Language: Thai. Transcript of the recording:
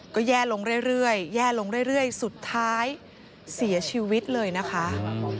ก็แย่ลงเรื่อยสุดท้ายเสียชีวิตเลยนะคะ